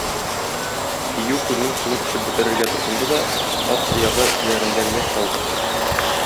Дию күлнең суын эчеп бетерергә тотынды да, ат тоягы эзләрендә генә калды су.